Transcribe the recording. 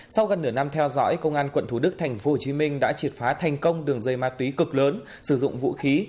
sau gần nửa năm theo dõi công an quận thủ đức tp hcm đã triệt phá thành công đường dây ma túy cực lớn sử dụng vũ khí